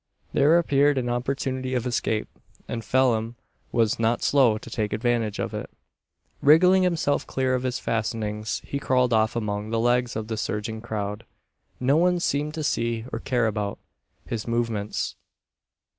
There appeared an opportunity of escape, and Phelim was not slow to take advantage of it. Wriggling himself clear of his fastenings, he crawled off among the legs of the surging crowd. No one seemed to see, or care about, his movements.